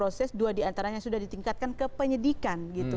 di sini juga suatu yang diantaranya sudah ditingkatkan ke penyedikan gitu